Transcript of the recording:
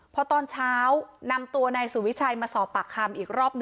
พอตอนเช้านำตัวนายสุวิชัยมาสอบปากคำอีกรอบ๑